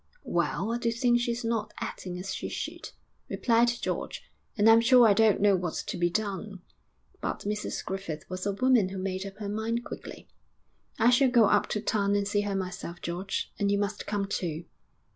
'Well, I do think she's not acting as she should,' replied George. 'And I'm sure I don't know what's to be done.' But Mrs Griffith was a woman who made up her mind quickly. 'I shall go up to town and see her myself, George; and you must come too.'